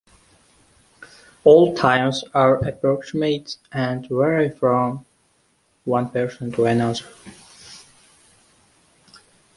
All times are approximate and vary from one person to another.